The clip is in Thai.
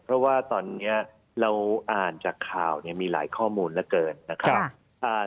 เพราะว่าตอนนี้เราอ่านจากข่าวมีหลายข้อมูลเหลือเกินนะครับ